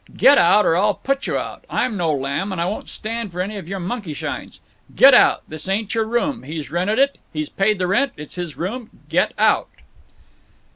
Get out or I'll put you out. I'm no lamb, and I won't stand for any of your monkey shines. Get out. This ain't your room; he's rented it—he's paid the rent—it's his room. Get out!"